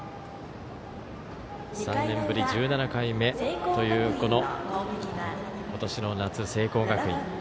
３年ぶり１７回目という今年の夏、聖光学院。